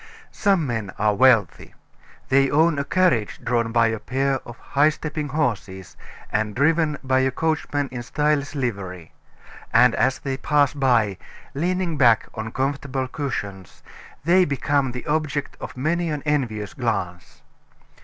IX Some men are wealthy. They own a carriage drawn by a pair of high stepping horses, and driven by a coachman in stylish livery; and as they pass by, leaning back on comfortable cushions, they become the object of many an envious glance.